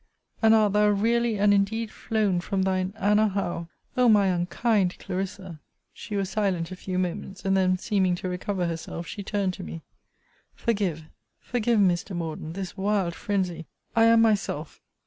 And art thou really and indeed flown from thine Anna Howe! O my unkind CLARISSA! She was silent a few moments, and then, seeming to recover herself, she turned to me Forgive, forgive, Mr. Morden, this wild phrensy! I am myself!